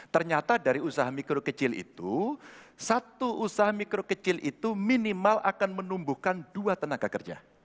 ternyata dari usaha mikro kecil itu satu usaha mikro kecil itu minimal akan menumbuhkan dua tenaga kerja